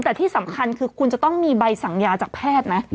แต่ที่สำคัญคือคุณจะต้องมีใบสั่งยาจากแพทย์นะ